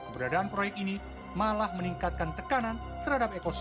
baiklah abra outreach khas